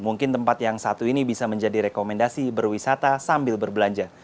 mungkin tempat yang satu ini bisa menjadi rekomendasi berwisata sambil berbelanja